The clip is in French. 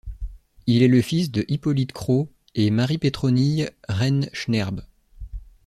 Il est le fils de Hippolyte Cros et Marie Pétronille Reine Schnerb.